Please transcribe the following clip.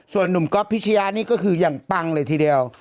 ส่วนหนุ่มก๊อฟพิชยะนี่ก็คืออย่างปังเลยทีเดียว